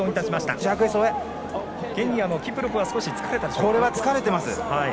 ケニアのキプロプは少し疲れたでしょうか。